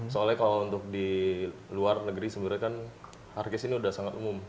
soalnya kalau untuk di luar negeri sebenarnya kan hardcast ini sudah sangat umum